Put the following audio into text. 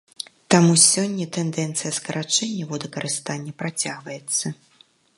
Таму, сёння тэндэнцыя скарачэння водакарыстання працягваецца.